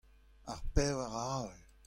Ar pevar avel.